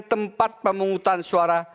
tempat pemungutan suara